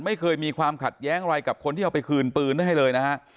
ไม่เคยมีความขัดแย้งอะไรกับคนที่เอาไปคืนปืนด้วยให้เลยนะฮะ